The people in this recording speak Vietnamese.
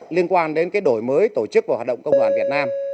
liên quan đến cái đổi mới tổ chức vào hoạt động công đoàn việt nam